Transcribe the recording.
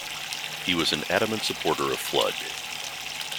He was an adamant supporter of Flood.